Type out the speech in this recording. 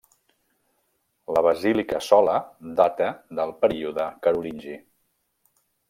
La Basílica Sola data del període carolingi.